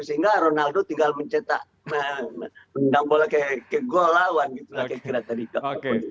sehingga ronaldo tinggal mencetak menanggung bola ke gol lawan gitu